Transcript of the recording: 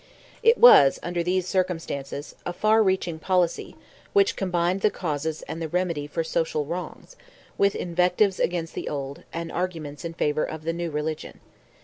It was, under these circumstances, a far reaching policy, which combined the causes and the remedy for social wrongs, with invectives against the old, and arguments in favour of the new religion.